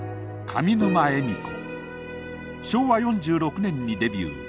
昭和４６年にデビュー。